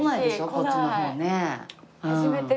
こっちの方ね。